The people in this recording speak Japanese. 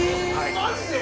マジで！？